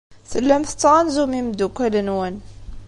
Tellam tettɣanzum imeddukal-nwen.